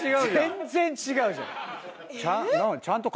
全然違うじゃん。